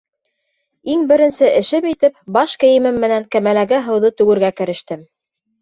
Иң беренсе эшем итеп баш кейемем менән кәмәләге һыуҙы түгергә керештем.